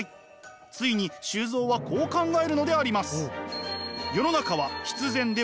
ついに周造はこう考えるのであります。